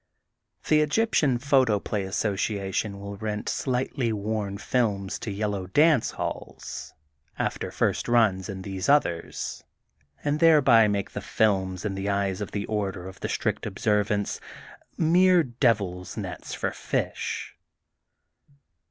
"The Egyptian Photoplay Association *' will rent slightly worn films to Yellow Dance Halls, after first runs in these others, and thereby make the films in the eyes of the Order of the Strict Observance, mere devil 's nets for fish.